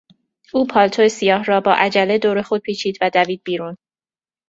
او پالتو سیاه را با عجله دور خود پیچید و دوید بیرون.